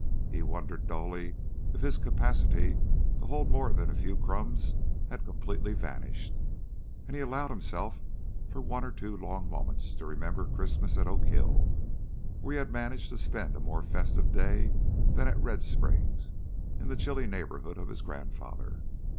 He wondered dully if his capacity to hold more than a few crumbs had completely vanished. And he allowed himself for one or two long moments to remember Christmas at Oak Hill where he had managed to spend a more festive day than at Red Springs in the chilly neighborhood of his grandfather.